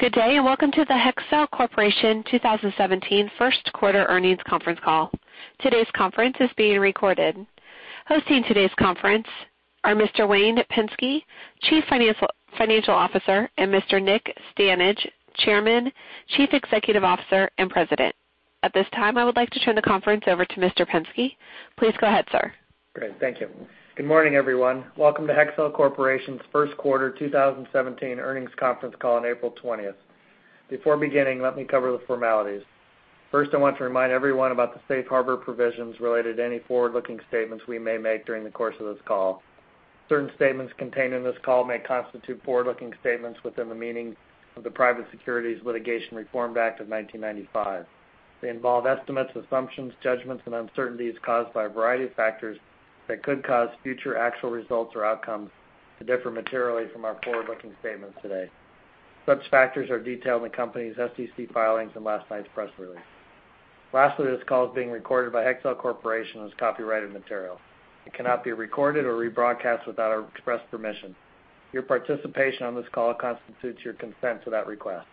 Good day. Welcome to the Hexcel Corporation 2017 first quarter earnings conference call. Today's conference is being recorded. Hosting today's conference are Mr. Wayne Pensky, Chief Financial Officer, and Mr. Nick Stanage, Chairman, Chief Executive Officer, and President. At this time, I would like to turn the conference over to Mr. Pensky. Please go ahead, sir. Great. Thank you. Good morning, everyone. Welcome to Hexcel Corporation's first quarter 2017 earnings conference call on April 20th. Before beginning, let me cover the formalities. First, I want to remind everyone about the safe harbor provisions related to any forward-looking statements we may make during the course of this call. Certain statements contained in this call may constitute forward-looking statements within the meaning of the Private Securities Litigation Reform Act of 1995. They involve estimates, assumptions, judgments, and uncertainties caused by a variety of factors that could cause future actual results or outcomes to differ materially from our forward-looking statements today. Such factors are detailed in the company's SEC filings and last night's press release. Lastly, this call is being recorded by Hexcel Corporation and is copyrighted material. It cannot be recorded or rebroadcast without our express permission. Your participation on this call constitutes your consent to that request.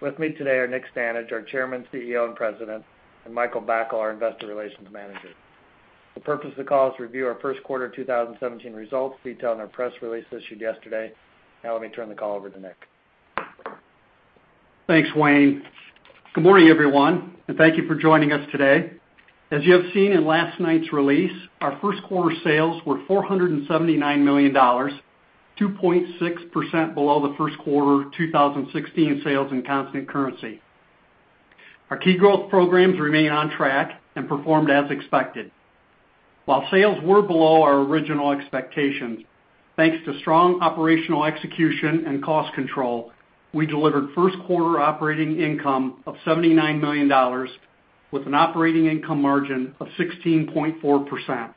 With me today are Nick Stanage, our Chairman, CEO, and President, and Michael Bacal, our investor relations manager. The purpose of the call is to review our first quarter 2017 results, detailed in our press release issued yesterday. Let me turn the call over to Nick. Thanks, Wayne. Good morning, everyone. Thank you for joining us today. As you have seen in last night's release, our first quarter sales were $479 million, 2.6% below the first quarter 2016 sales in constant currency. Our key growth programs remain on track and performed as expected. While sales were below our original expectations, thanks to strong operational execution and cost control, we delivered first quarter operating income of $79 million, with an operating income margin of 16.4%.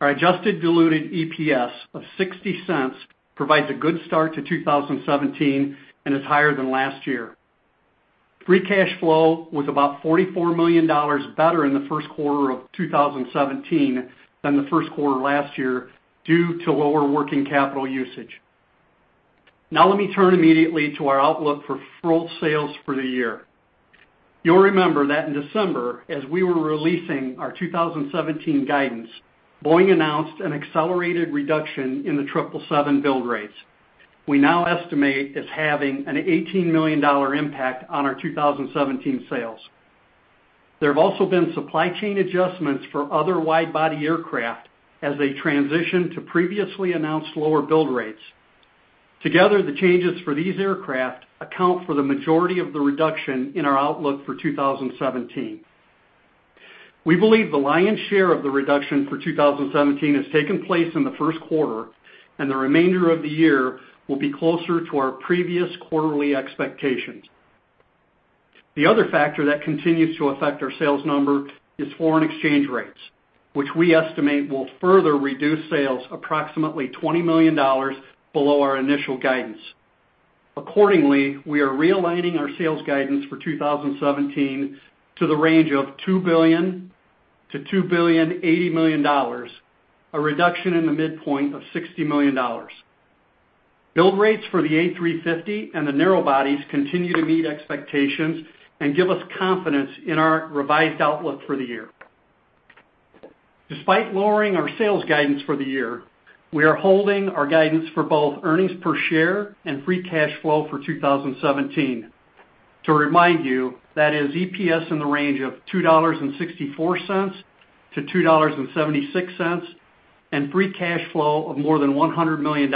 Our adjusted diluted EPS of $0.60 provides a good start to 2017 and is higher than last year. Free cash flow was about $44 million better in the first quarter of 2017 than the first quarter last year, due to lower working capital usage. Let me turn immediately to our outlook for full sales for the year. You'll remember that in December, as we were releasing our 2017 guidance, Boeing announced an accelerated reduction in the 777 build rates we now estimate as having an $18 million impact on our 2017 sales. There have also been supply chain adjustments for other wide-body aircraft as they transition to previously announced lower build rates. Together, the changes for these aircraft account for the majority of the reduction in our outlook for 2017. We believe the lion's share of the reduction for 2017 has taken place in the first quarter, and the remainder of the year will be closer to our previous quarterly expectations. The other factor that continues to affect our sales number is foreign exchange rates, which we estimate will further reduce sales approximately $20 million below our initial guidance. We are realigning our sales guidance for 2017 to the range of $2 billion-$2.08 billion, a reduction in the midpoint of $60 million. Build rates for the A350 and the narrow-body aircraft continue to meet expectations and give us confidence in our revised outlook for the year. Despite lowering our sales guidance for the year, we are holding our guidance for both earnings per share and free cash flow for 2017. To remind you, that is EPS in the range of $2.64-$2.76, and free cash flow of more than $100 million.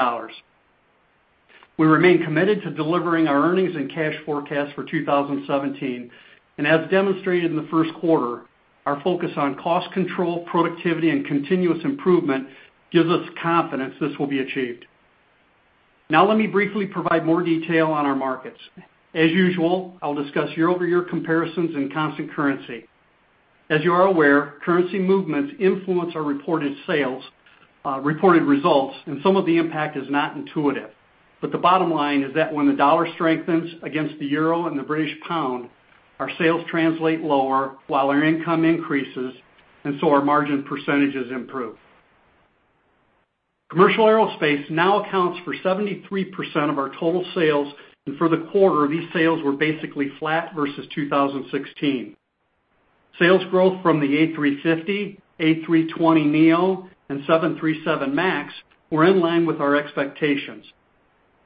We remain committed to delivering our earnings and cash forecast for 2017, and as demonstrated in the first quarter, our focus on cost control, productivity, and continuous improvement gives us confidence this will be achieved. Let me briefly provide more detail on our markets. As usual, I'll discuss year-over-year comparisons in constant currency. As you are aware, currency movements influence our reported results, and some of the impact is not intuitive. The bottom line is that when the dollar strengthens against the euro and the British pound, our sales translate lower while our income increases, our margin percentages improve. Commercial aerospace now accounts for 73% of our total sales, and for the quarter, these sales were basically flat versus 2016. Sales growth from the A350, A320neo, and 737 MAX were in line with our expectations.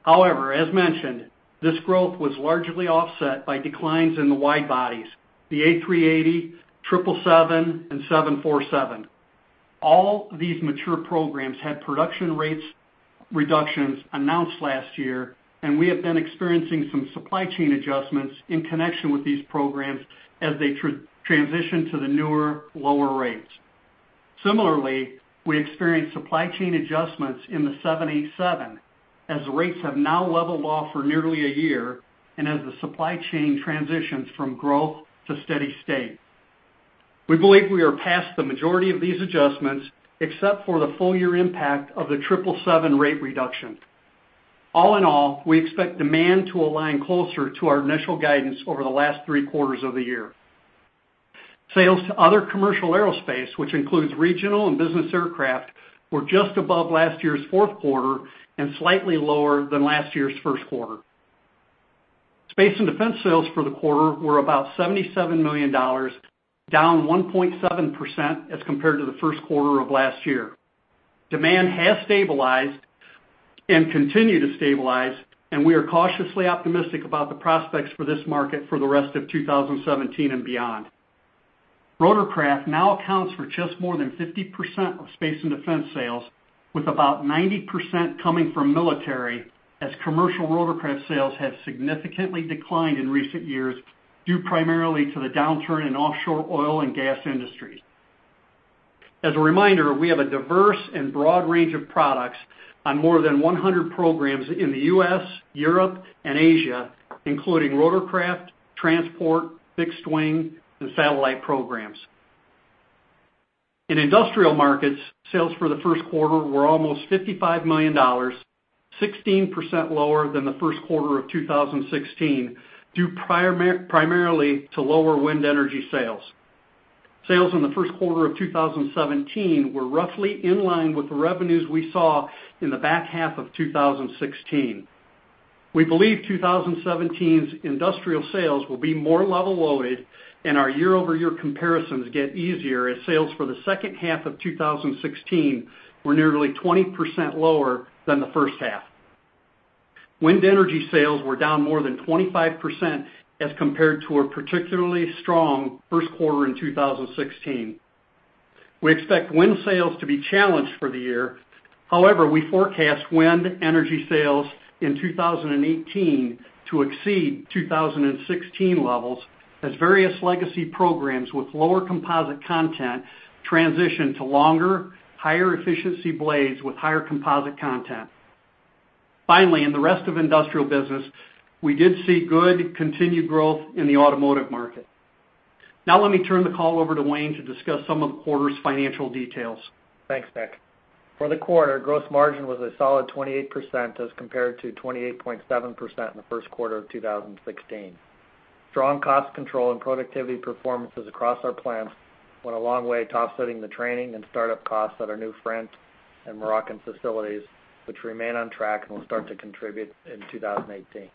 As mentioned, this growth was largely offset by declines in the wide-bodies, the A380, 777, and 747. All these mature programs had production rates reductions announced last year, and we have been experiencing some supply chain adjustments in connection with these programs as they transition to the newer, lower rates. We experienced supply chain adjustments in the 787, as rates have now leveled off for nearly a year and as the supply chain transitions from growth to steady state. We believe we are past the majority of these adjustments, except for the full-year impact of the 777 rate reduction. We expect demand to align closer to our initial guidance over the last three quarters of the year. Sales to other commercial aerospace, which includes regional and business aircraft, were just above last year's fourth quarter and slightly lower than last year's first quarter. Space and defense sales for the quarter were about $77 million, down 1.7% as compared to the first quarter of last year. Demand has stabilized and continue to stabilize, we are cautiously optimistic about the prospects for this market for the rest of 2017 and beyond. Rotorcraft now accounts for just more than 50% of space and defense sales, with about 90% coming from military, as commercial rotorcraft sales have significantly declined in recent years, due primarily to the downturn in offshore oil and gas industries. As a reminder, we have a diverse and broad range of products on more than 100 programs in the U.S., Europe, and Asia, including rotorcraft, transport, fixed wing, and satellite programs. In industrial markets, sales for the first quarter were almost $55 million, 16% lower than the first quarter of 2016, due primarily to lower wind energy sales. Sales in the first quarter of 2017 were roughly in line with the revenues we saw in the back half of 2016. We believe 2017's industrial sales will be more level loaded, and our year-over-year comparisons get easier as sales for the second half of 2016 were nearly 20% lower than the first half. Wind energy sales were down more than 25% as compared to a particularly strong first quarter in 2016. We expect wind sales to be challenged for the year. However, we forecast wind energy sales in 2018 to exceed 2016 levels, as various legacy programs with lower composite content transition to longer, higher efficiency blades with higher composite content. Finally, in the rest of industrial business, we did see good continued growth in the automotive market. Now, let me turn the call over to Wayne to discuss some of the quarter's financial details. Thanks, Nick. For the quarter, gross margin was a solid 28% as compared to 28.7% in the first quarter of 2016. Strong cost control and productivity performances across our plants went a long way to offsetting the training and startup costs at our new France and Moroccan facilities, which remain on track and will start to contribute in 2018.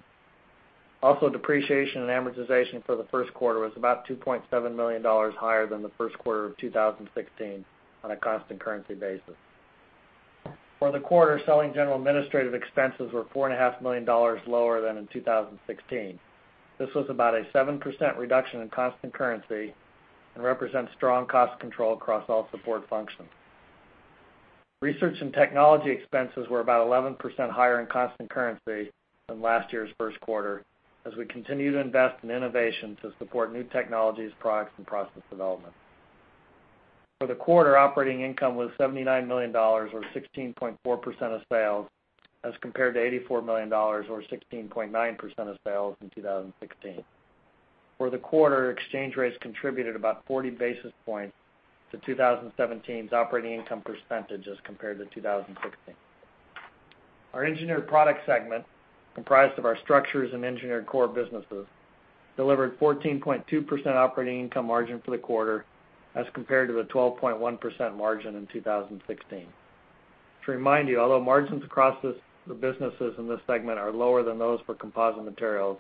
Also, depreciation and amortization for the first quarter was about $2.7 million higher than the first quarter of 2016 on a constant currency basis. For the quarter, selling general administrative expenses were $4.5 million lower than in 2016. This was about a 7% reduction in constant currency and represents strong cost control across all support functions. Research and technology expenses were about 11% higher in constant currency than last year's first quarter, as we continue to invest in innovation to support new technologies, products, and process development. For the quarter, operating income was $79 million, or 16.4% of sales, as compared to $84 million or 16.9% of sales in 2016. For the quarter, exchange rates contributed about 40 basis points to 2017's operating income percentage as compared to 2016. Our Engineered Products segment, comprised of our structures and engineered core businesses, delivered 14.2% operating income margin for the quarter as compared to the 12.1% margin in 2016. To remind you, although margins across the businesses in this segment are lower than those for composite materials,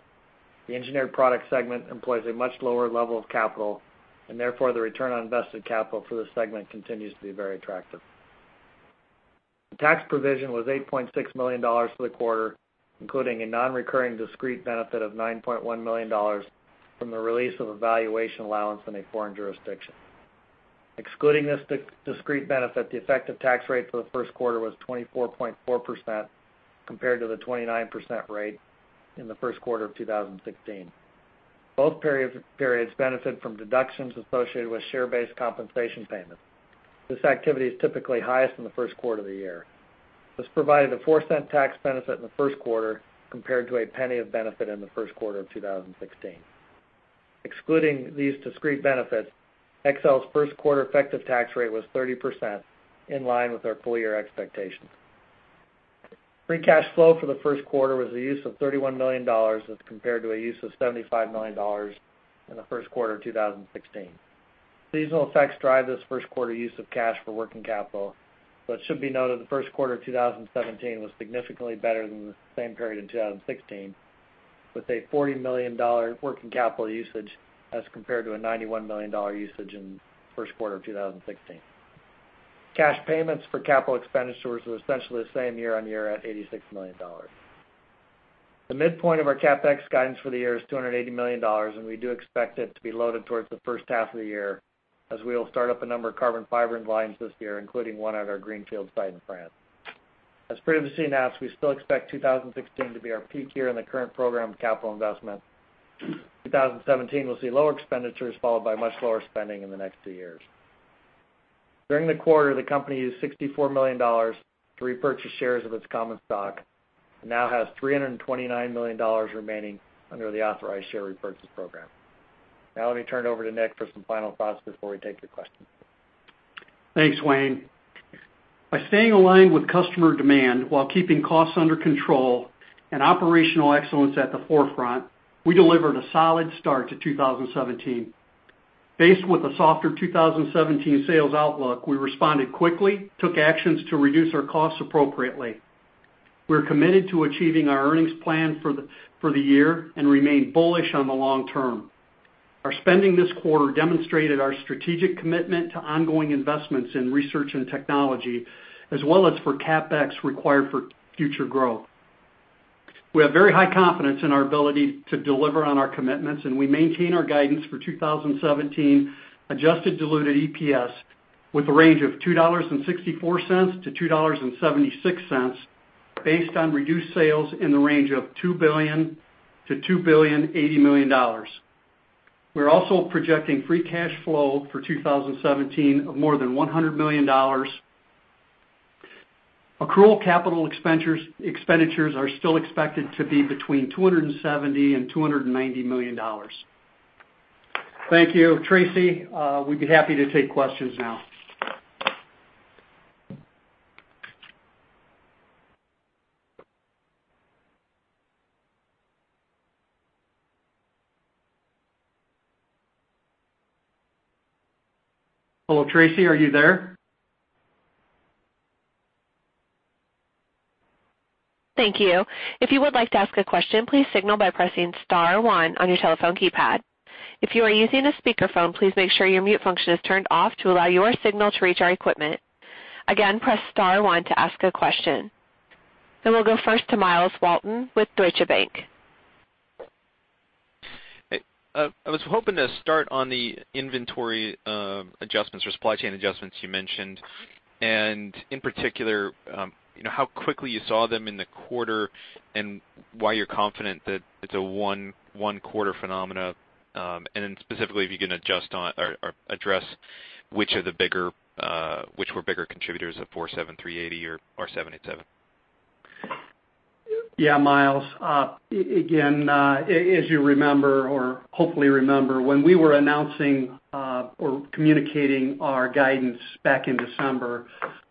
the Engineered Products segment employs a much lower level of capital, and therefore, the return on invested capital for this segment continues to be very attractive. The tax provision was $8.6 million for the quarter, including a non-recurring discrete benefit of $9.1 million from the release of a valuation allowance in a foreign jurisdiction. Excluding this discrete benefit, the effective tax rate for the first quarter was 24.4%, compared to the 29% rate in the first quarter of 2016. Both periods benefit from deductions associated with share-based compensation payments. This activity is typically highest in the first quarter of the year. This provided a $0.04 tax benefit in the first quarter compared to a $0.01 of benefit in the first quarter of 2016. Excluding these discrete benefits, Hexcel's first quarter effective tax rate was 30%, in line with our full year expectations. Free cash flow for the first quarter was the use of $31 million as compared to a use of $75 million in the first quarter of 2016. Seasonal effects drive this first quarter use of cash for working capital. It should be noted the first quarter of 2017 was significantly better than the same period in 2016, with a $40 million working capital usage as compared to a $91 million usage in the first quarter of 2016. Cash payments for capital expenditures were essentially the same year-on-year at $86 million. The midpoint of our CapEx guidance for the year is $280 million, and we do expect it to be loaded towards the first half of the year, as we will start up a number of carbon fiber lines this year, including one at our Greenfield site in France. As previously announced, we still expect 2016 to be our peak year in the current program of capital investment. 2017 will see lower expenditures, followed by much lower spending in the next two years. During the quarter, the company used $64 million to repurchase shares of its common stock and now has $329 million remaining under the authorized share repurchase program. Let me turn it over to Nick for some final thoughts before we take your questions. Thanks, Wayne. By staying aligned with customer demand while keeping costs under control and operational excellence at the forefront, we delivered a solid start to 2017. Faced with a softer 2017 sales outlook, we responded quickly, took actions to reduce our costs appropriately. We're committed to achieving our earnings plan for the year and remain bullish on the long term. Our spending this quarter demonstrated our strategic commitment to ongoing investments in research and technology, as well as for CapEx required for future growth. We have very high confidence in our ability to deliver on our commitments, and we maintain our guidance for 2017 adjusted diluted EPS with a range of $2.64-$2.76 based on reduced sales in the range of $2 billion-$2.08 billion. We're also projecting free cash flow for 2017 of more than $100 million. Accrual CapEx are still expected to be between $270 million and $290 million. Thank you. Tracy, we'd be happy to take questions now. Hello, Tracy, are you there? Thank you. If you would like to ask a question, please signal by pressing star one on your telephone keypad. If you are using a speakerphone, please make sure your mute function is turned off to allow your signal to reach our equipment. Again, press star one to ask a question. We'll go first to Myles Walton with Deutsche Bank. Hey, I was hoping to start on the inventory, adjustments or supply chain adjustments you mentioned, and in particular, how quickly you saw them in the quarter and why you're confident that it's a one quarter phenomenon, and then specifically if you can address which were bigger contributors of A380 or 787. Yeah, Myles. Again, as you remember or hopefully remember, when we were announcing, or communicating our guidance back in December,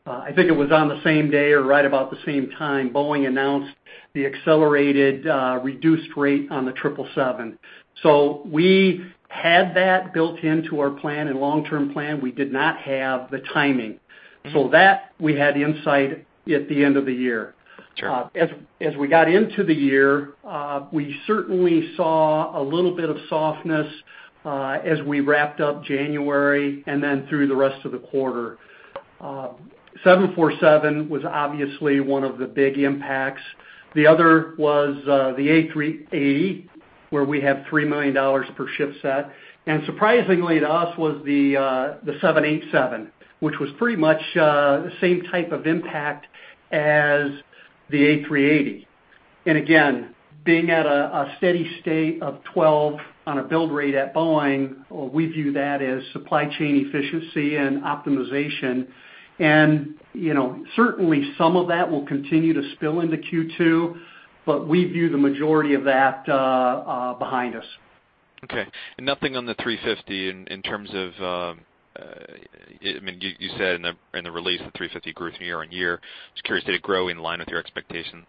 I think it was on the same day or right about the same time Boeing announced the accelerated, reduced rate on the 777. We had that built into our plan and long-term plan. We did not have the timing. That we had insight at the end of the year. Sure. As we got into the year, we certainly saw a little bit of softness, as we wrapped up January and then through the rest of the quarter. 747 was obviously one of the big impacts. The other was, the A380, where we have $3 million per ship set. Surprisingly to us was the 787, which was pretty much the same type of impact as the A380. Again, being at a steady state of 12 on a build rate at Boeing, we view that as supply chain efficiency and optimization. Certainly, some of that will continue to spill into Q2, but we view the majority of that behind us. Okay. Nothing on the 350 in terms of, I mean, you said in the release the 350 grew from year-on-year. Just curious, did it grow in line with your expectations?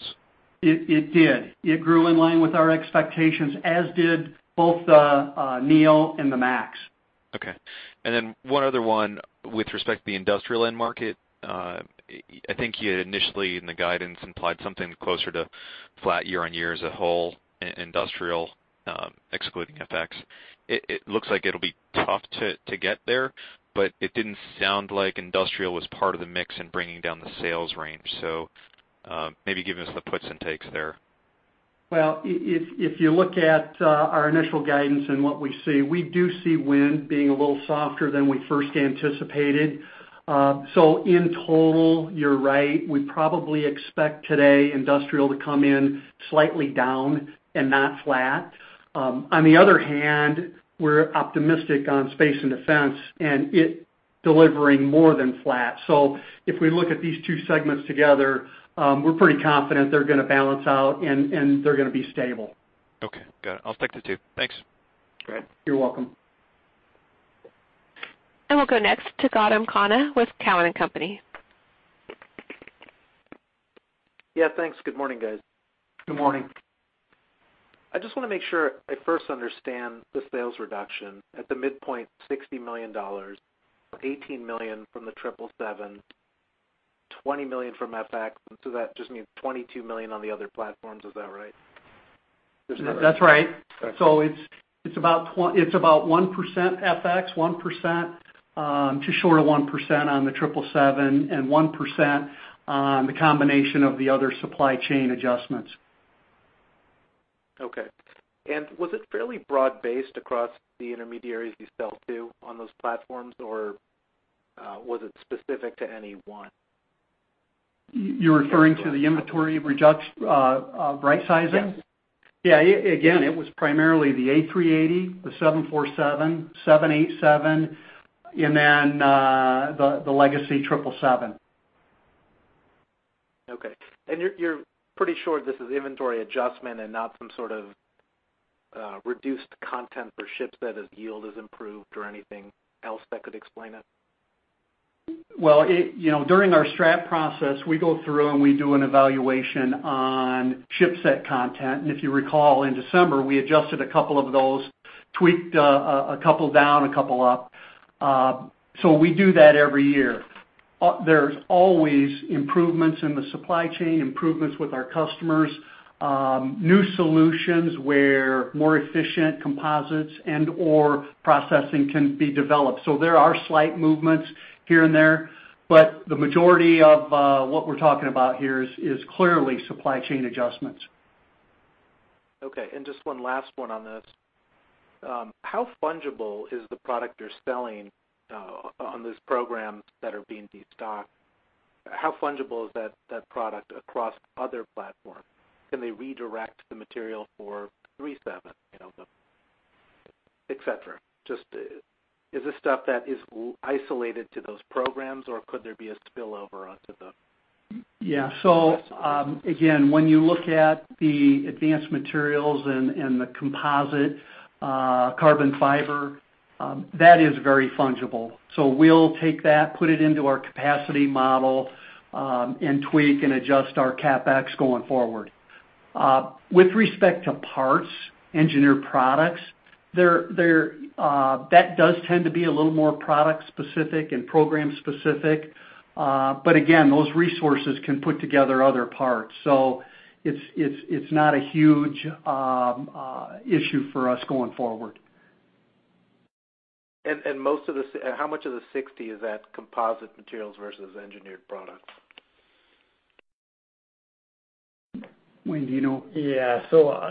It did. It grew in line with our expectations, as did both the Neo and the MAX. Okay. Then one other one with respect to the industrial end market. I think you had initially in the guidance implied something closer to flat year-on-year as a whole, industrial, excluding FX. It looks like it'll be tough to get there, but it didn't sound like industrial was part of the mix in bringing down the sales range. Maybe give us the puts and takes there. Well, if you look at our initial guidance and what we see, we do see wind being a little softer than we first anticipated. In total, you're right. We probably expect today industrial to come in slightly down and not flat. On the other hand, we're optimistic on space and defense and it delivering more than flat. If we look at these two segments together, we're pretty confident they're going to balance out and they're going to be stable. Okay, got it. I'll stick to two. Thanks. Great. You're welcome. We'll go next to Gautam Khanna with Cowen and Company. Yeah, thanks. Good morning, guys. Good morning. I just want to make sure I first understand the sales reduction at the midpoint, $60 million, $18 million from the 777, $20 million from FX. That just means $22 million on the other platforms. Is that right? That's right. Okay. It's about 1% FX, 1%, just short of 1% on the 777, and 1% on the combination of the other supply chain adjustments. Okay. Was it fairly broad based across the intermediaries you sell to on those platforms, or was it specific to any one? You're referring to the inventory right-sizing? Yes. Yeah. It was primarily the A380, the 747, 787, and then, the legacy 777. Okay. You're pretty sure this is inventory adjustment and not some sort of reduced content for shipsets as yield is improved or anything else that could explain it? Well, during our strap process, we go through and we do an evaluation on ship set content. If you recall, in December, we adjusted a couple of those, tweaked a couple down, a couple up. We do that every year. There's always improvements in the supply chain, improvements with our customers, new solutions where more efficient composites and/or processing can be developed. There are slight movements here and there, but the majority of what we're talking about here is clearly supply chain adjustments. Okay. Just one last one on this. How fungible is the product you're selling on those programs that are being destocked? How fungible is that product across other platforms? Can they redirect the material for three, seven, et cetera? Just is this stuff that is isolated to those programs, or could there be a spillover? Yeah. Again, when you look at the advanced materials and the composite carbon fiber, that is very fungible. We'll take that, put it into our capacity model, and tweak and adjust our CapEx going forward. With respect to parts, engineered products, that does tend to be a little more product specific and program specific. Again, those resources can put together other parts. It's not a huge issue for us going forward. How much of the 60 is that composite materials versus engineered products? Wayne, do you know? Yeah.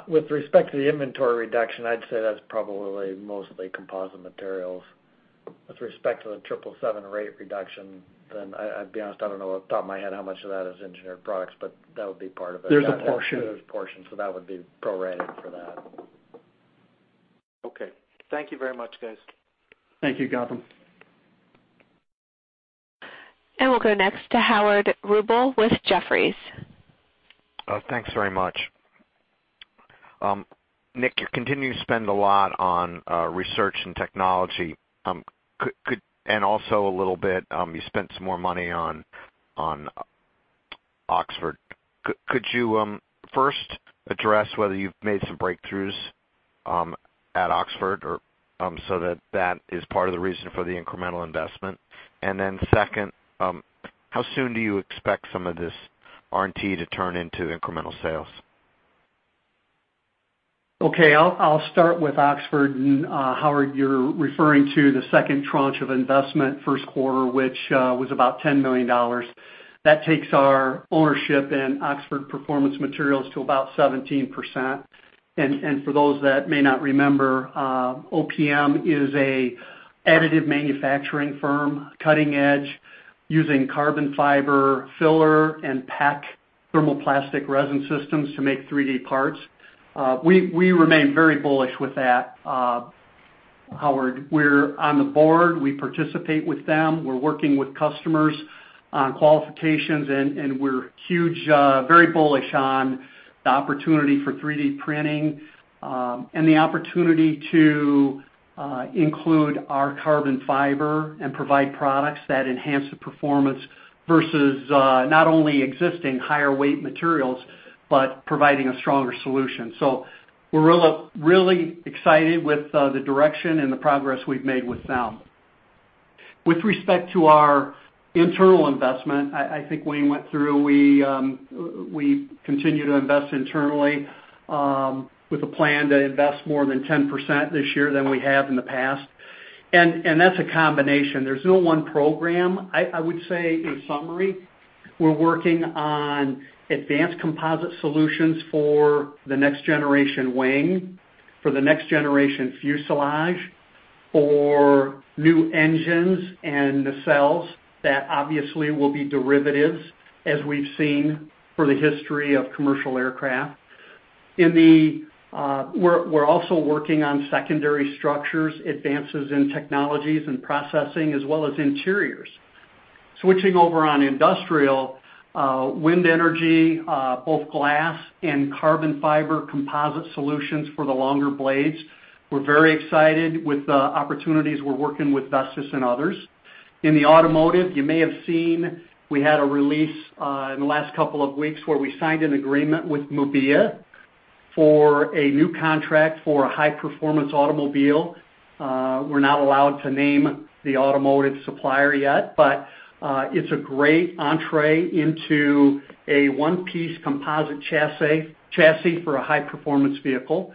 With respect to the inventory reduction, I'd say that's probably mostly composite materials. With respect to the 777 rate reduction, then I'd be honest, I don't know off the top of my head how much of that is engineered products, but that would be part of it. There's a portion. There's a portion, that would be prorated for that. Okay. Thank you very much, guys. Thank you, Gautam. We'll go next to Howard Rubel with Jefferies. Thanks very much. Nick, you continue to spend a lot on research and technology. Also a little bit, you spent some more money on Oxford. Could you first address whether you've made some breakthroughs at Oxford, so that is part of the reason for the incremental investment? Then second, how soon do you expect some of this R&T to turn into incremental sales? Okay. I'll start with Oxford. Howard, you're referring to the second tranche of investment first quarter, which was about $10 million. That takes our ownership in Oxford Performance Materials to about 17%. For those that may not remember, OPM is an additive manufacturing firm, cutting edge, using carbon fiber filler and PEKK thermoplastic resin systems to make 3D parts. We remain very bullish with that, Howard. We're on the board. We participate with them. We're working with customers on qualifications, and we're very bullish on the opportunity for 3D printing, and the opportunity to include our carbon fiber and provide products that enhance the performance versus, not only existing higher weight materials, but providing a stronger solution. We're really excited with the direction and the progress we've made with them. With respect to our internal investment, I think Wayne went through, we continue to invest internally, with a plan to invest more than 10% this year than we have in the past. That's a combination. There's no one program. I would say in summary, we're working on advanced composite solutions for the next generation wing, for the next generation fuselage, for new engines and nacelles that obviously will be derivatives, as we've seen for the history of commercial aircraft. We're also working on secondary structures, advances in technologies and processing, as well as interiors. Switching over on industrial, wind energy, both glass and carbon fiber composite solutions for the longer blades. We're very excited with the opportunities we're working with Vestas and others. In the automotive, you may have seen we had a release in the last couple of weeks where we signed an agreement with Mubea for a new contract for a high performance automobile. We're not allowed to name the automotive supplier yet. It's a great entree into a one-piece composite chassis for a high performance vehicle.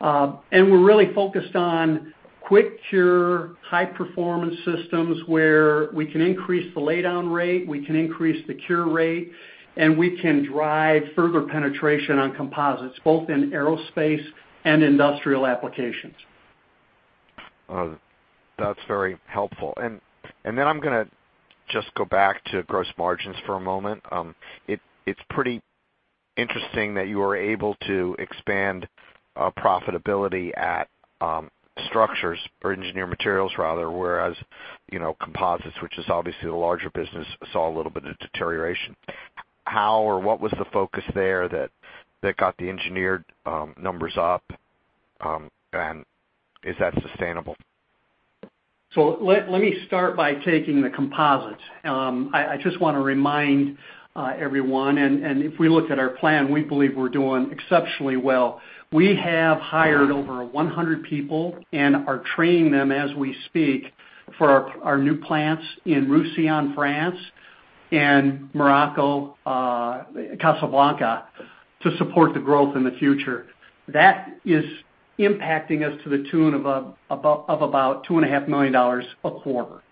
We're really focused on quick cure, high performance systems, where we can increase the laydown rate, we can increase the cure rate, and we can drive further penetration on composites, both in aerospace and industrial applications. That's very helpful. Then I'm going to just go back to gross margins for a moment. It's pretty interesting that you are able to expand profitability at structures or Engineered Products rather, whereas, Composites, which is obviously the larger business, saw a little bit of deterioration. How or what was the focus there that got the engineered numbers up, and is that sustainable? Let me start by taking the Composites. I just want to remind everyone, if we look at our plan, we believe we're doing exceptionally well. We have hired over 100 people and are training them as we speak for our new plants in Roussillon, France and Morocco, Casablanca, to support the growth in the future. That is impacting us to the tune of about $2.5 million a quarter.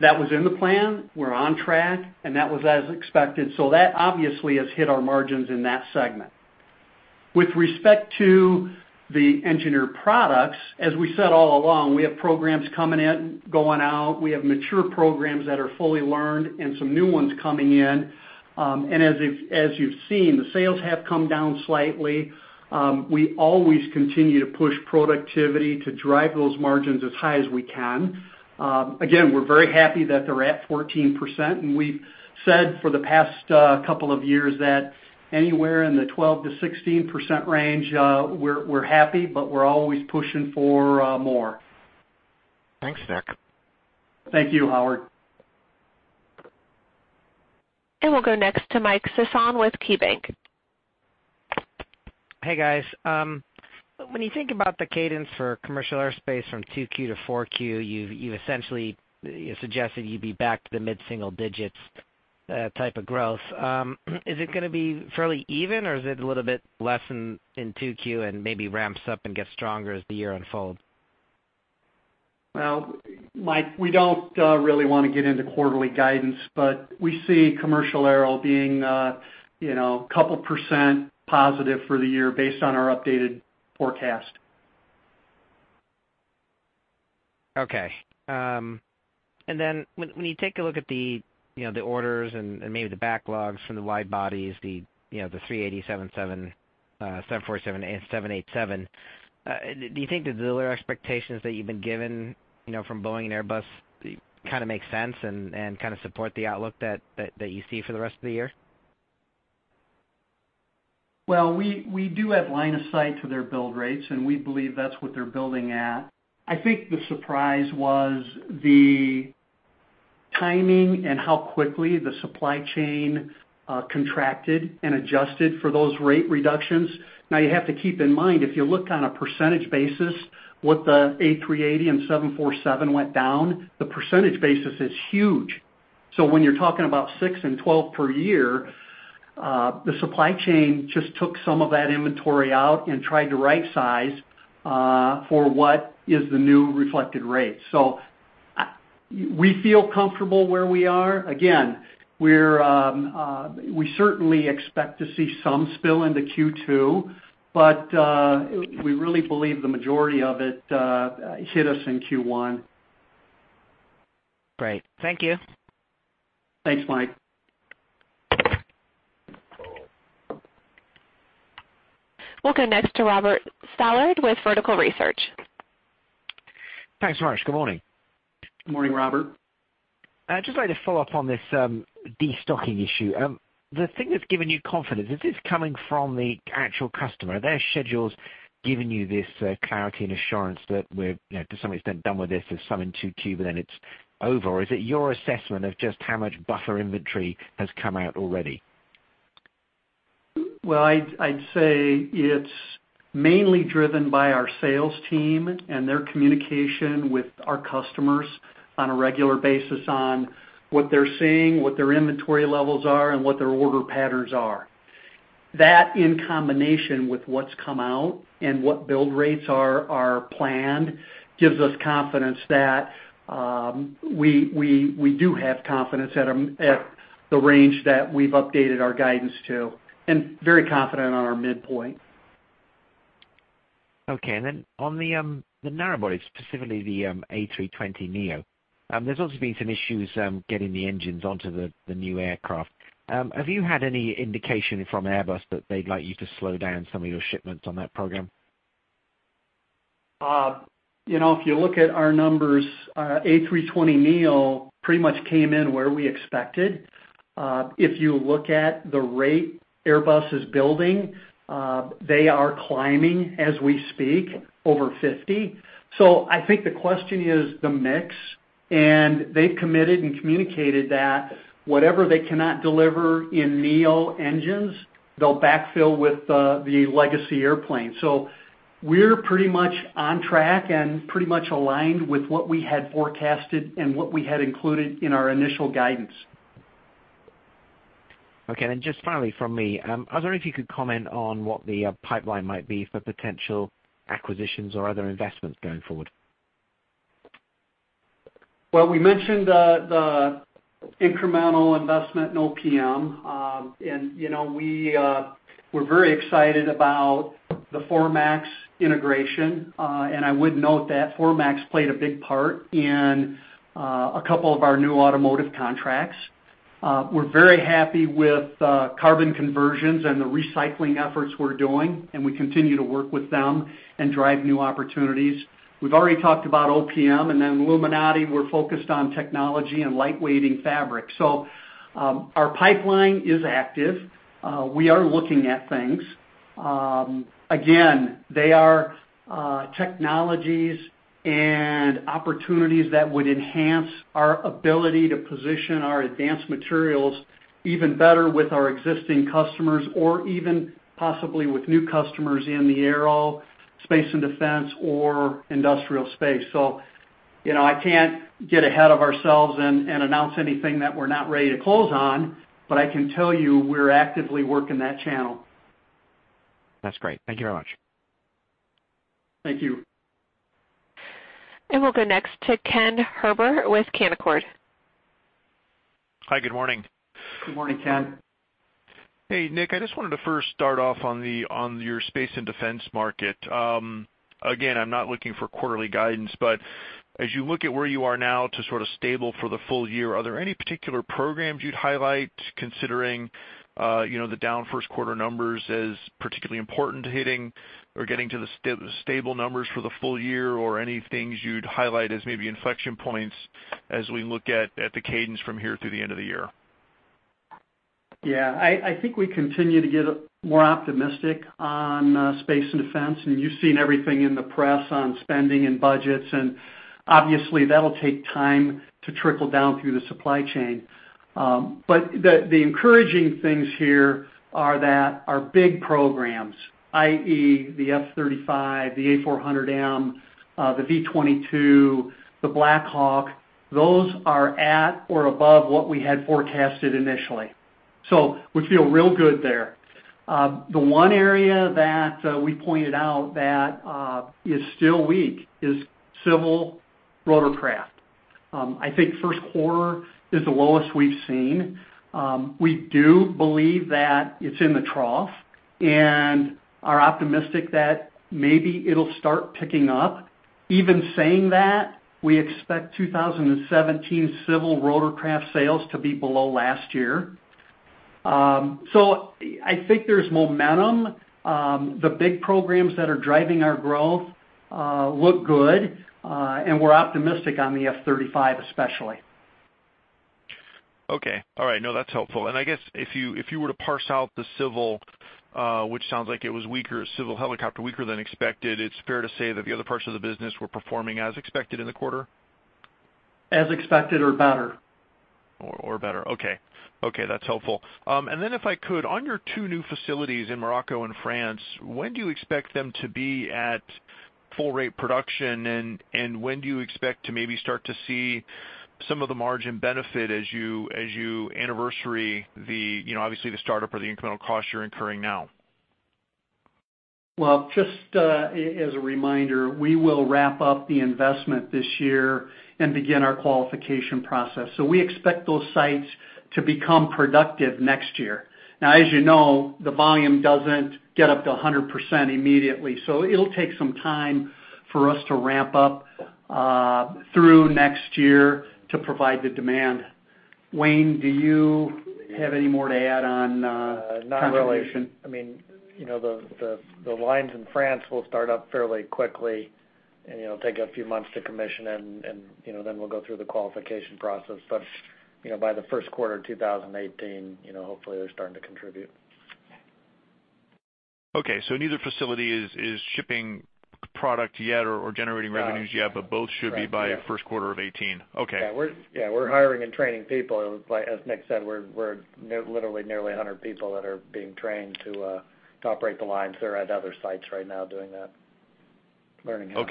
That was in the plan. We're on track, that was as expected. That obviously has hit our margins in that segment. With respect to the Engineered Products, as we said all along, we have programs coming in, going out. We have mature programs that are fully learned and some new ones coming in. As you've seen, the sales have come down slightly. We always continue to push productivity to drive those margins as high as we can. Again, we're very happy that they're at 14%, we've said for the past couple of years that anywhere in the 12%-16% range, we're happy, but we're always pushing for more. Thanks, Nick. Thank you, Howard. We'll go next to Michael Sison with KeyBank. Hey, guys. When you think about the cadence for commercial aerospace from 2Q to 4Q, you essentially suggested you'd be back to the mid-single digits type of growth. Is it going to be fairly even, or is it a little bit less in 2Q and maybe ramps up and gets stronger as the year unfolds? Well, Mike, we don't really want to get into quarterly guidance, but we see commercial aero being a couple % positive for the year based on our updated forecast. Okay. Then when you take a look at the orders and maybe the backlogs from the wide-bodies, the A380, 747, and 787, do you think that the delivery expectations that you've been given from Boeing and Airbus kind of make sense and kind of support the outlook that you see for the rest of the year? Well, we do have line of sight to their build rates, and we believe that's what they're building at. I think the surprise was the timing and how quickly the supply chain contracted and adjusted for those rate reductions. You have to keep in mind, if you look on a percentage basis what the A380 and 747 went down, the percentage basis is huge. When you're talking about six and 12 per year, the supply chain just took some of that inventory out and tried to right size for what is the new reflected rate. We feel comfortable where we are. Again, we certainly expect to see some spill into Q2, but we really believe the majority of it hit us in Q1. Great. Thank you. Thanks, Mike. We'll go next to Robert Stallard with Vertical Research. Thanks very much. Good morning. Good morning, Robert. I'd just like to follow up on this de-stocking issue. The thing that's given you confidence, is this coming from the actual customer? Are their schedules giving you this clarity and assurance that we're, to some extent, done with this, there's some in 2Q, but then it's over? Or is it your assessment of just how much buffer inventory has come out already? Well, I'd say it is mainly driven by our sales team and their communication with our customers on a regular basis on what they are seeing, what their inventory levels are, and what their order patterns are. That, in combination with what has come out and what build rates are planned, gives us confidence that we do have confidence at the range that we have updated our guidance to, and very confident on our midpoint. Okay, on the narrow bodies, specifically the A320neo, there has also been some issues getting the engines onto the new aircraft. Have you had any indication from Airbus that they would like you to slow down some of your shipments on that program? If you look at our numbers, A320neo pretty much came in where we expected. If you look at the rate Airbus is building, they are climbing as we speak, over 50. I think the question is the mix, and they have committed and communicated that whatever they cannot deliver in Neo engines, they will backfill with the legacy airplane. We are pretty much on track and pretty much aligned with what we had forecasted and what we had included in our initial guidance. Okay, just finally from me, I was wondering if you could comment on what the pipeline might be for potential acquisitions or other investments going forward. Well, we mentioned the incremental investment in OPM. We're very excited about the Formax integration, and I would note that Formax played a big part in a couple of our new automotive contracts. We're very happy with Carbon Conversions and the recycling efforts we're doing, and we continue to work with them and drive new opportunities. We've already talked about OPM and then Luminati. We're focused on technology and lightweighting fabric. Our pipeline is active. We are looking at things. Again, they are technologies and opportunities that would enhance our ability to position our advanced materials even better with our existing customers, or even possibly with new customers in the aerospace and defense or industrial space. I can't get ahead of ourselves and announce anything that we're not ready to close on, but I can tell you we're actively working that channel. That's great. Thank you very much. Thank you. We'll go next to Ken Herbert with Canaccord. Hi. Good morning. Good morning, Ken. Hey, Nick. I just wanted to first start off on your Space and Defense market. Again, I'm not looking for quarterly guidance, but as you look at where you are now to sort of stable for the full year, are there any particular programs you'd highlight considering the down first quarter numbers as particularly important to hitting or getting to the stable numbers for the full year? Or any things you'd highlight as maybe inflection points as we look at the cadence from here through the end of the year? Yeah. I think we continue to get more optimistic on Space and Defense. You've seen everything in the press on spending and budgets, obviously that'll take time to trickle down through the supply chain. The encouraging things here are that our big programs, i.e., the F-35, the A400M, the V-22, the Black Hawk, those are at or above what we had forecasted initially. We feel real good there. The one area that we pointed out that is still weak is civil rotorcraft. I think first quarter is the lowest we've seen. We do believe that it's in the trough and are optimistic that maybe it'll start picking up. Even saying that, we expect 2017 civil rotorcraft sales to be below last year. I think there's momentum. The big programs that are driving our growth look good. We're optimistic on the F-35, especially. Okay. All right. No, that's helpful. I guess if you were to parse out the civil, which sounds like it was weaker, civil helicopter weaker than expected, it's fair to say that the other parts of the business were performing as expected in the quarter? As expected or better. Or better. Okay. That's helpful. If I could, on your two new facilities in Morocco and France, when do you expect them to be at full rate production, and when do you expect to maybe start to see some of the margin benefit as you anniversary the, obviously the startup or the incremental cost you're incurring now? Well, just as a reminder, we will wrap up the investment this year and begin our qualification process. We expect those sites to become productive next year. Now, as you know, the volume doesn't get up to 100% immediately, so it'll take some time for us to ramp up through next year to provide the demand. Wayne, do you have any more to add on contribution? Not really. The lines in France will start up fairly quickly and it'll take a few months to commission. We'll go through the qualification process. By the first quarter of 2018, hopefully they're starting to contribute. Okay, neither facility is shipping product yet or generating revenues yet. Both should be by first quarter of 2018. Okay. Yeah. We're hiring and training people. As Nick said, we're literally nearly 100 people that are being trained to operate the lines. They're at other sites right now doing that, learning how.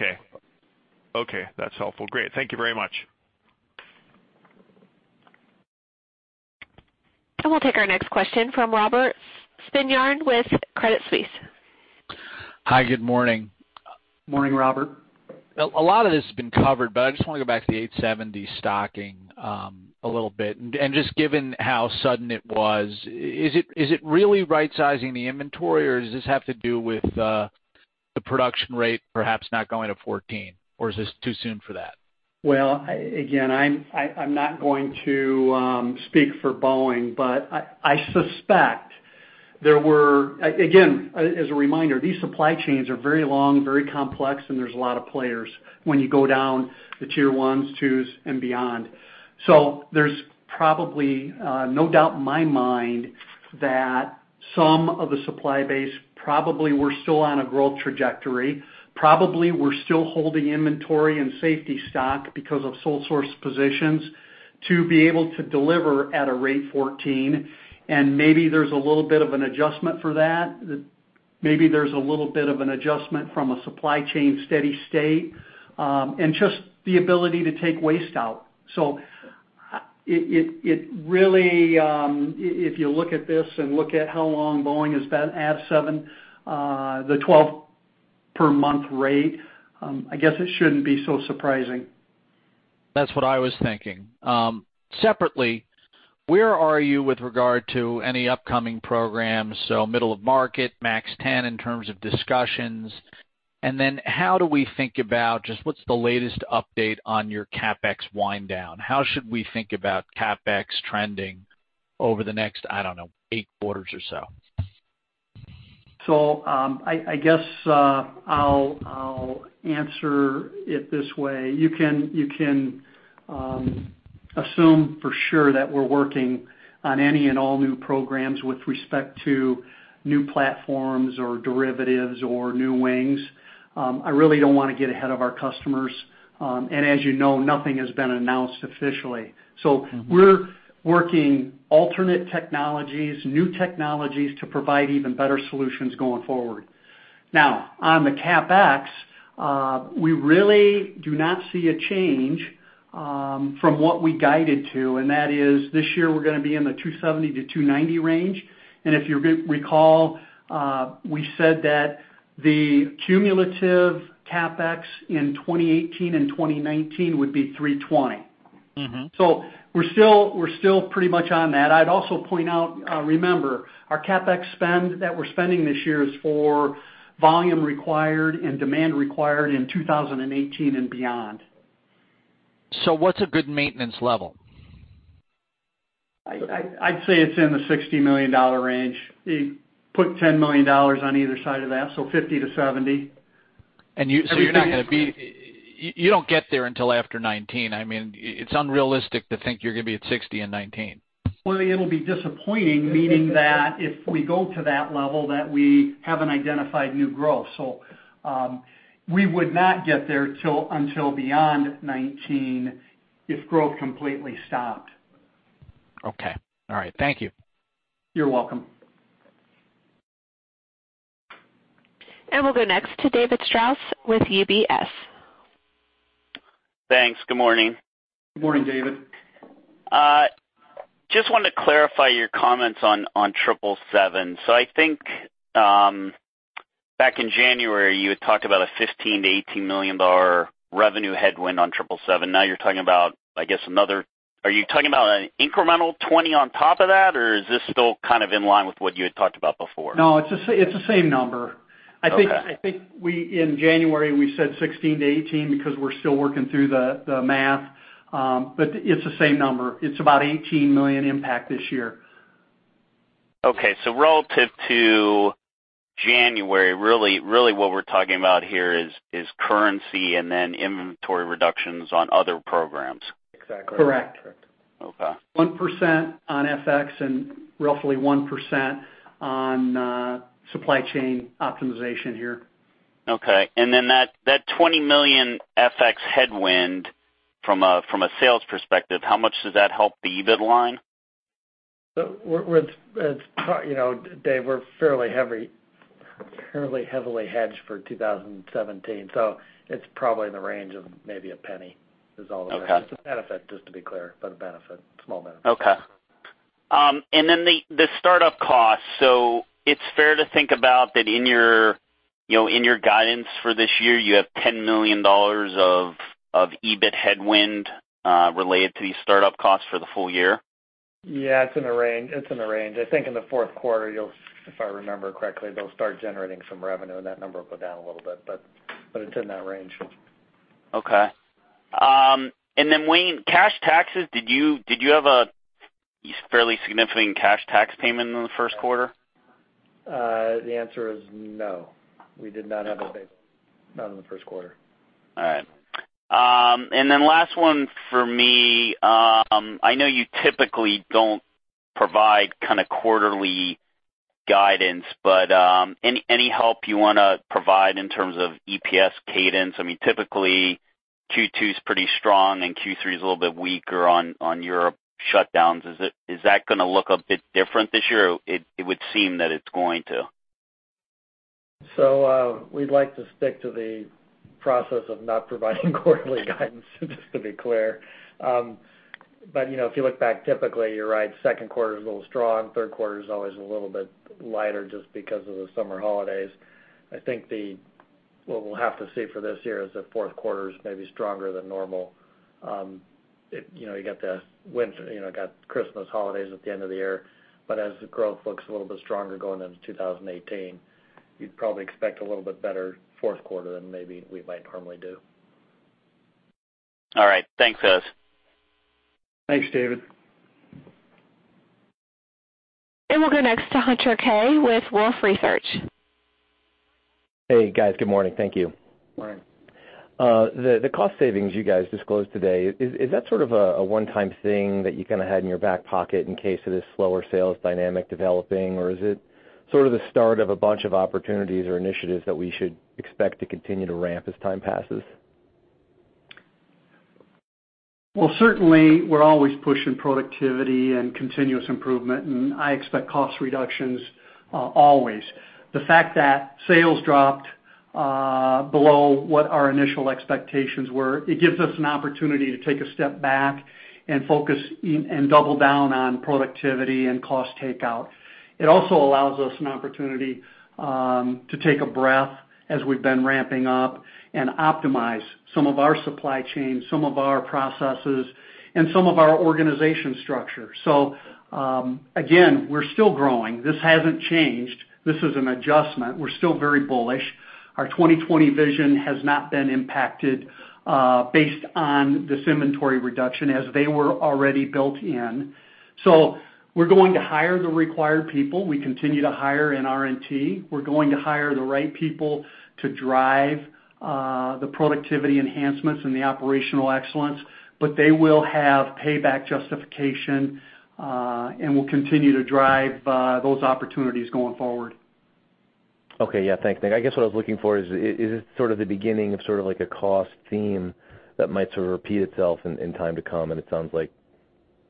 Okay. That's helpful. Great. Thank you very much. We'll take our next question from Robert Spingarn with Credit Suisse. Hi. Good morning. Morning, Robert. A lot of this has been covered, but I just want to go back to the 870 stocking, a little bit. Just given how sudden it was, is it really right-sizing the inventory, or does this have to do with the production rate perhaps not going to 14, or is this too soon for that? Again, I'm not going to speak for Boeing, but I suspect there were. As a reminder, these supply chains are very long, very complex, and there's a lot of players when you go down the tier 1s, 2s, and beyond. There's probably no doubt in my mind that some of the supply base probably were still on a growth trajectory. Probably were still holding inventory and safety stock because of sole source positions to be able to deliver at a rate 14. Maybe there's a little bit of an adjustment for that. Maybe there's a little bit of an adjustment from a supply chain steady state, and just the ability to take waste out. It really, if you look at this and look at how long Boeing has been at the 12 per month rate, I guess it shouldn't be so surprising. That's what I was thinking. Separately, where are you with regard to any upcoming programs? Middle of market, MAX 10, in terms of discussions. How do we think about just what's the latest update on your CapEx wind down? How should we think about CapEx trending over the next, I don't know, eight quarters or so? I guess, I'll answer it this way. You can assume for sure that we're working on any and all new programs with respect to new platforms or derivatives or new wings. I really don't want to get ahead of our customers. As you know, nothing has been announced officially. We're working alternate technologies, new technologies to provide even better solutions going forward. Now, on the CapEx, we really do not see a change from what we guided to, and that is this year we're going to be in the $270 million-$290 million range. If you recall, we said that the cumulative CapEx in 2018 and 2019 would be $320 million. We're still pretty much on that. I'd also point out, remember, our CapEx spend that we're spending this year is for volume required and demand required in 2018 and beyond. What's a good maintenance level? I'd say it's in the $60 million range. Put $10 million on either side of that, $50 million-$70 million. You don't get there until after 2019. I mean, it's unrealistic to think you're going to be at $60 million in 2019. Well, it'll be disappointing, meaning that if we go to that level, that we haven't identified new growth. We would not get there until beyond 2019 if growth completely stopped. Okay. All right. Thank you. You're welcome. We'll go next to David Strauss with UBS. Thanks. Good morning. Good morning, David. I think, back in January, you had talked about a $15 million-$18 million revenue headwind on 777. Are you talking about an incremental $20 on top of that, or is this still kind of in line with what you had talked about before? No, it's the same number. Okay. I think we, in January, we said $16 million-$18 million because we're still working through the math, but it's the same number. It's about $18 million impact this year. Okay. Relative to January, really what we're talking about here is currency and then inventory reductions on other programs. Exactly. Correct. Okay. 1% on FX and roughly 1% on supply chain optimization here. Okay. That $20 million FX headwind from a sales perspective, how much does that help the EBIT line? Dave, we're fairly heavily hedged for 2017, it's probably in the range of maybe $0.01 is all of it. Okay. It's a benefit, just to be clear, but a benefit. Small benefit. Okay. The start-up cost. It's fair to think about that in your guidance for this year, you have $10 million of EBIT headwind, related to these start-up costs for the full year? Yeah, it's in the range. I think in the fourth quarter, if I remember correctly, they'll start generating some revenue, and that number will go down a little bit. It's in that range. Okay. Wayne, cash taxes, did you have a fairly significant cash tax payment in the first quarter? The answer is no. We did not have not in the first quarter. All right. Last one for me. Any help you want to provide in terms of EPS cadence? I mean, typically Q2's pretty strong and Q3 is a little bit weaker on Europe shutdowns. Is that going to look a bit different this year? It would seem that it's going to. We'd like to stick to the process of not providing quarterly guidance, just to be clear. If you look back typically, you're right, second quarter's a little strong. Third quarter is always a little bit lighter just because of the summer holidays. I think what we'll have to see for this year is the fourth quarter's maybe stronger than normal. You got Christmas holidays at the end of the year. As the growth looks a little bit stronger going into 2018, you'd probably expect a little bit better fourth quarter than maybe we might normally do. All right. Thanks, guys. Thanks, David. We'll go next to Hunter Keay with Wolfe Research. Hey, guys. Good morning. Thank you. Morning. The cost savings you guys disclosed today, is that sort of a one-time thing that you kind of had in your back pocket in case of this slower sales dynamic developing, or is it sort of the start of a bunch of opportunities or initiatives that we should expect to continue to ramp as time passes? Certainly, we're always pushing productivity and continuous improvement, and I expect cost reductions always. The fact that sales dropped below what our initial expectations were, it gives us an opportunity to take a step back and focus and double down on productivity and cost takeout. It also allows us an opportunity to take a breath as we've been ramping up and optimize some of our supply chain, some of our processes, and some of our organization structure. Again, we're still growing. This hasn't changed. This is an adjustment. We're still very bullish. Our 2020 vision has not been impacted based on this inventory reduction as they were already built in. We're going to hire the required people. We continue to hire in R&T. We're going to hire the right people to drive the productivity enhancements and the operational excellence, but they will have payback justification, and we'll continue to drive those opportunities going forward. Okay. Yeah, thanks, Nick. I guess what I was looking for is it sort of like a cost theme that might sort of repeat itself in time to come, it sounds like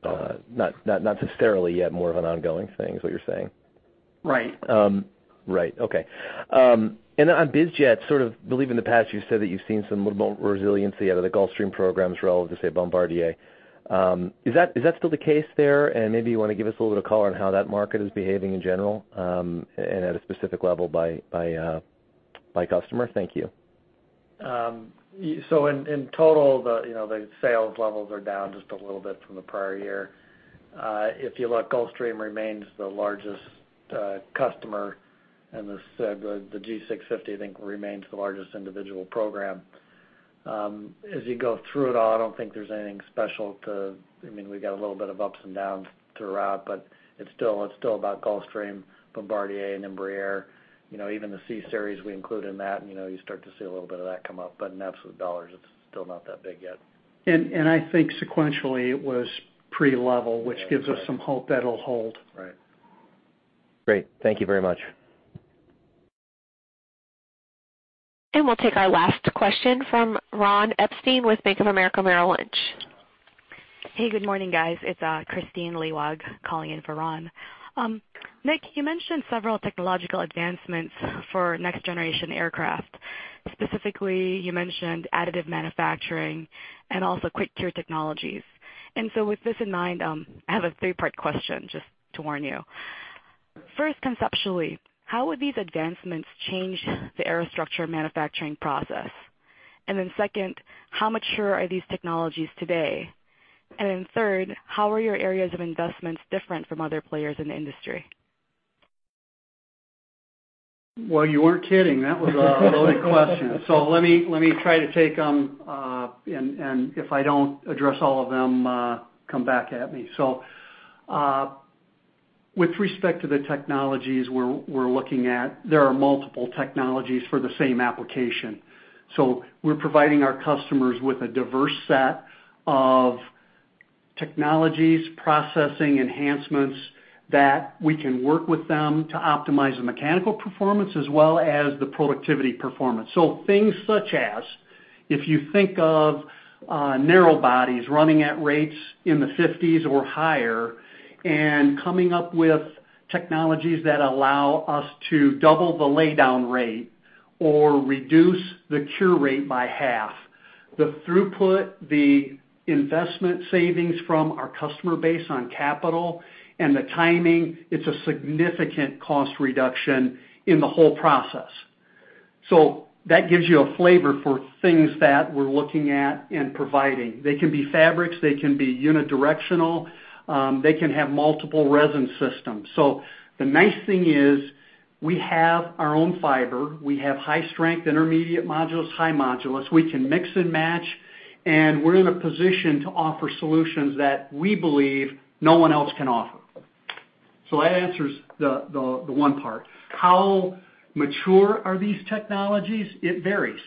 not necessarily yet more of an ongoing thing, is what you're saying? Right. Right. Okay. On biz jet, sort of believe in the past you've said that you've seen some little resiliency out of the Gulfstream programs relevant to, say, Bombardier. Is that still the case there? Maybe you want to give us a little bit of color on how that market is behaving in general, and at a specific level by customer. Thank you. In total, the sales levels are down just a little bit from the prior year. If you look, Gulfstream remains the largest customer, and the G650, I think, remains the largest individual program. We got a little bit of ups and downs throughout, but it's still about Gulfstream, Bombardier, and Embraer. Even the C-Series we include in that, and you start to see a little bit of that come up, but in absolute $, it's still not that big yet. I think sequentially, it was pretty level, which gives us some hope that'll hold. Right. Great. Thank you very much. We'll take our last question from Ron Epstein with Bank of America Merrill Lynch. Good morning, guys. It's Kristine Liwag calling in for Ron. Nick, you mentioned several technological advancements for next generation aircraft. Specifically, you mentioned additive manufacturing and also quick cure technologies. With this in mind, I have a three-part question just to warn you. First, conceptually, how would these advancements change the aerostructure manufacturing process? Second, how mature are these technologies today? Third, how are your areas of investments different from other players in the industry? Well, you weren't kidding. That was a loaded question. Let me try to take them, and if I don't address all of them, come back at me. With respect to the technologies we're looking at, there are multiple technologies for the same application. We're providing our customers with a diverse set of technologies, processing enhancements that we can work with them to optimize the mechanical performance as well as the productivity performance. Things such as, if you think of narrow bodies running at rates in the 50s or higher and coming up with technologies that allow us to double the laydown rate or reduce the cure rate by half. The throughput, the investment savings from our customer base on capital, and the timing, it's a significant cost reduction in the whole process. That gives you a flavor for things that we're looking at and providing. They can be fabrics, they can be unidirectional, they can have multiple resin systems. The nice thing is we have our own fiber, we have high strength, intermediate modulus, high modulus. We can mix and match, and we're in a position to offer solutions that we believe no one else can offer. That answers the one part. How mature are these technologies? It varies.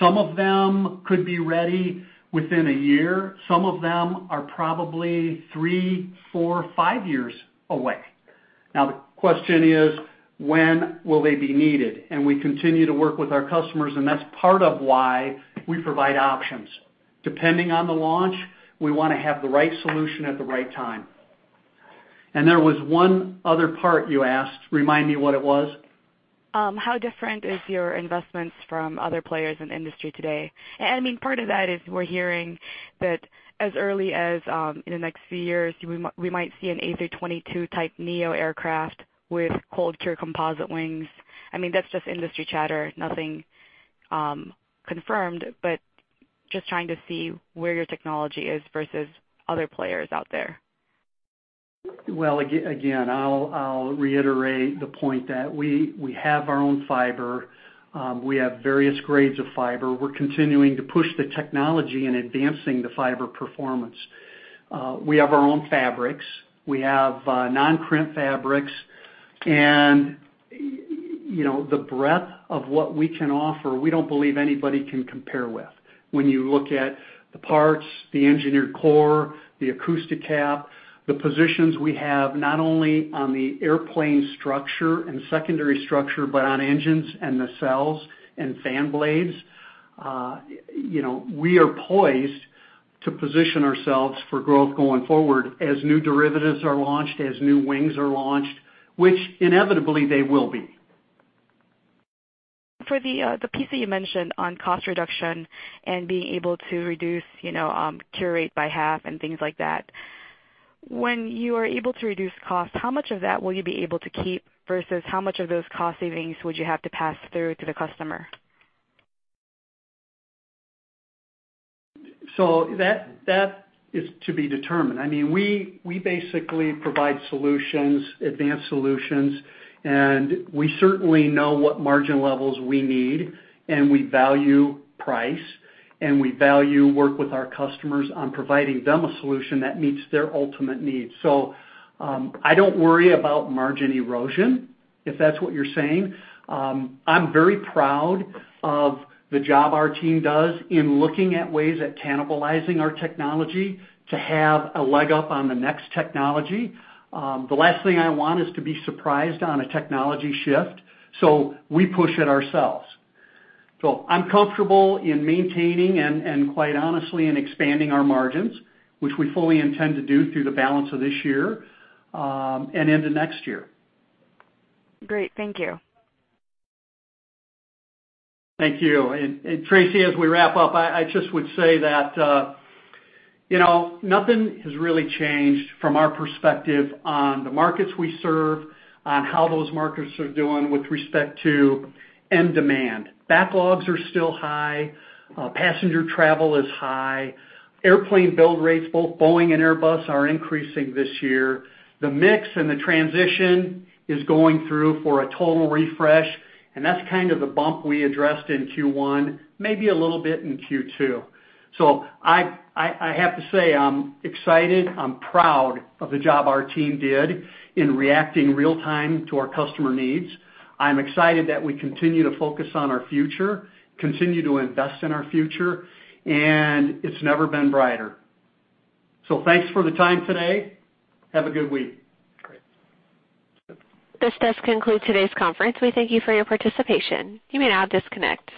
Some of them could be ready within one year. Some of them are probably three, four, five years away. The question is, when will they be needed? We continue to work with our customers, and that's part of why we provide options. Depending on the launch, we want to have the right solution at the right time. There was one other part you asked. Remind me what it was. How different is your investments from other players in the industry today? Part of that is we're hearing that as early as, in the next few years, we might see an A322 type neo aircraft with cold-curing composite wings. That's just industry chatter, nothing confirmed, but just trying to see where your technology is versus other players out there. Well, again, I'll reiterate the point that we have our own fiber. We have various grades of fiber. We're continuing to push the technology and advancing the fiber performance. We have our own fabrics. We have non-crimp fabrics. The breadth of what we can offer, we don't believe anybody can compare with. When you look at the parts, the engineered core, the Acousti-Cap, the positions we have not only on the airplane structure and secondary structure, but on engines and nacells and fan blades. We are poised to position ourselves for growth going forward as new derivatives are launched, as new wings are launched, which inevitably they will be. For the piece that you mentioned on cost reduction and being able to reduce cure rate by half and things like that. When you are able to reduce costs, how much of that will you be able to keep versus how much of those cost savings would you have to pass through to the customer? That is to be determined. We basically provide solutions, advanced solutions, we certainly know what margin levels we need, we value price, we value work with our customers on providing them a solution that meets their ultimate needs. I don't worry about margin erosion, if that's what you're saying. I'm very proud of the job our team does in looking at ways at cannibalizing our technology to have a leg up on the next technology. The last thing I want is to be surprised on a technology shift. We push it ourselves. I'm comfortable in maintaining and quite honestly, in expanding our margins, which we fully intend to do through the balance of this year, and into next year. Great. Thank you. Thank you. Tracy, as we wrap up, I just would say that nothing has really changed from our perspective on the markets we serve, on how those markets are doing with respect to end demand. Backlogs are still high. Passenger travel is high. Airplane build rates, both Boeing and Airbus are increasing this year. The mix and the transition is going through for a total refresh, and that's kind of the bump we addressed in Q1, maybe a little bit in Q2. I have to say, I'm excited, I'm proud of the job our team did in reacting real time to our customer needs. I'm excited that we continue to focus on our future, continue to invest in our future, and it's never been brighter. Thanks for the time today. Have a good week. Great. This does conclude today's conference. We thank you for your participation. You may now disconnect.